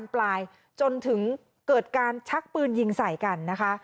ปลายจนถึงเกิดการชักปืนยิงใส่กันนะคะ